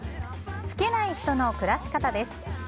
老けない人の暮らし方です。